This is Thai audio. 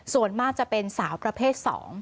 ส่วนมากจะเป็นสาวประเภท๒